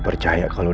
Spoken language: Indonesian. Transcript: penteke baiknya pak